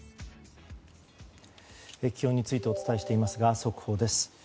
気温についてお伝えしていますが速報です。